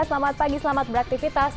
selamat pagi selamat beraktifitas